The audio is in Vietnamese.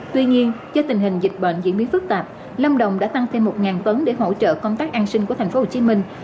tuy nhiên do tình hình dịch bệnh diễn biến phức tạp lâm đồng đã tăng thêm một tấn để hỗ trợ công tác an sinh của thành phố hồ chí minh